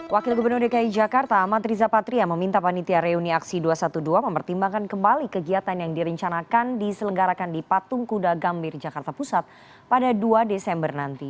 wakil gubernur dki jakarta amat riza patria meminta panitia reuni aksi dua ratus dua belas mempertimbangkan kembali kegiatan yang direncanakan diselenggarakan di patung kuda gambir jakarta pusat pada dua desember nanti